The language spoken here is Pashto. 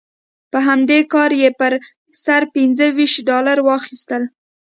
په همدې کار یې پر سر پنځه ویشت ډالره واخیستل.